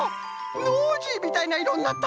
ノージーみたいないろになった！